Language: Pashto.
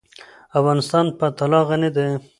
افغانستان په طلا غني دی.